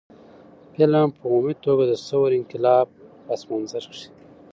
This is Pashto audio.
فلم په عمومي توګه د ثور انقلاب په پس منظر کښې